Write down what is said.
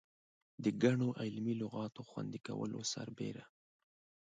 د ګڼو علمي لغاتو خوندي کولو سربېره.